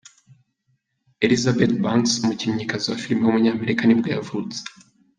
Elizabeth Banks, umukinnyikazi wa filime w’umunyamerika nibwo yavutse.